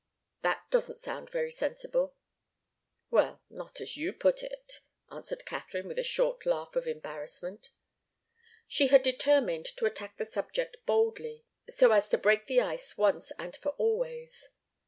That doesn't sound very sensible." "Well not as you put it," answered Katharine, with a short laugh of embarrassment. She had determined to attack the subject boldly, so as to break the ice once and for always.